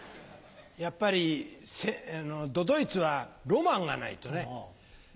やっぱり都々逸はロマンがないとね。